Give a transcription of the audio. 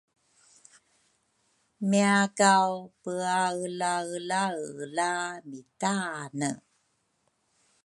Miakaw peaelaelaela mitaane